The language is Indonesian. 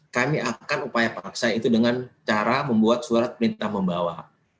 kami akan upaya paksa itu dengan cara membuat surat perintah membawa